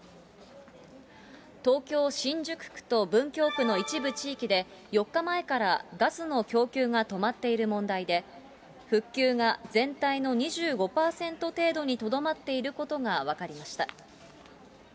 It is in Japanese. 東京・新宿区と文京区の一部地域で、４日前からガスの供給が止まっている問題で、復旧が全体の２５％程度にとどまっていることが分かりました。